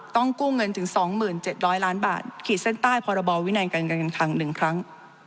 ต้องกู้เงินถึง๒๗๐๐ล้านบาทขีดเส้นใต้พรบวินัยการเงินการคลัง๑ครั้ง